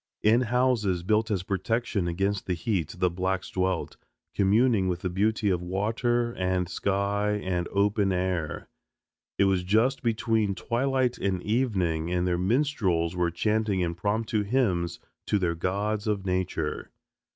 In houses built as protection against the heat the blacks dwelt, communing with the beauty of water and sky and open air. It was just between twilight and evening and their minstrels were chanting impromptu hymns to their gods of nature.